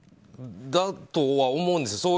だとは思うんですよ。